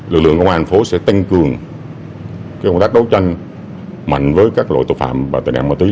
lực lượng công an thành phố sẽ tăng cường công tác đấu tranh mạnh với các loại tội phạm và tệ nạn ma túy